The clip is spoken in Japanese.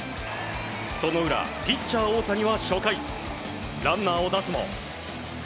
その裏、ピッチャー大谷は初回ランナーを出すも。